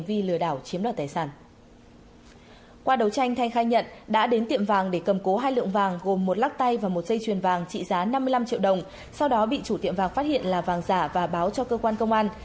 qua đấu tranh thanh khai nhận đã đến tiệm vàng để cầm cố hai lượng vàng gồm một lắc tay và một dây chuyền vàng trị giá năm mươi năm triệu đồng sau đó bị chủ tiệm vàng phát hiện là vàng giả và báo cho cơ quan công an